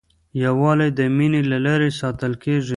یووالی د مینې له لارې ساتل کېږي.